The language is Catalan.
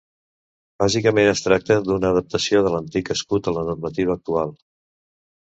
Bàsicament es tracta d'una adaptació de l'antic escut a la normativa actual.